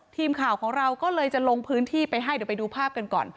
ทีมข่าวของเราก็เลยจะลงพื้นที่ไปให้เดี๋ยวไปดูภาพกันก่อน